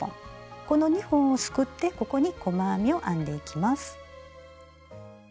この２本をすくってここに細編みを編んでいきます。